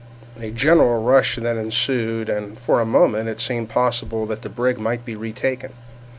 A general rush then ensued, and for a moment it seemed possible that the brig might be retaken.